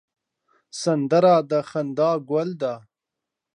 سندره د خندا ګل ده